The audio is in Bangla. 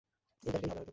এই গাড়িটাই হবে হয়তো।